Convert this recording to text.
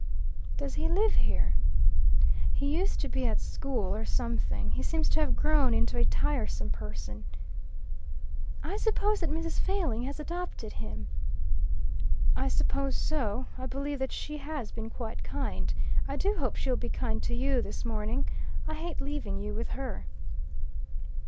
"Does he live here?" "He used to be at school or something. He seems to have grown into a tiresome person." "I suppose that Mrs. Failing has adopted him." "I suppose so. I believe that she has been quite kind. I do hope she'll be kind to you this morning. I hate leaving you with her."